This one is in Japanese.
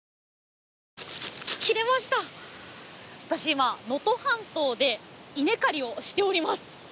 今能登半島で稲刈りをしております。